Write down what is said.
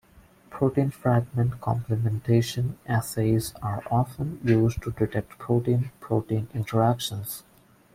Protein fragment complementation assays are often used to detect protein-protein interactions.